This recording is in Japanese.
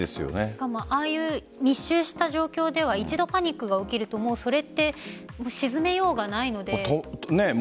しかもああいう密集した状況では一度パニックが起きるとそれって沈めようがないので。